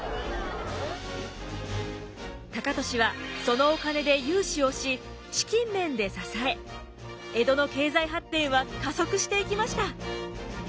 高利はそのお金で融資をし資金面で支え江戸の経済発展は加速していきました。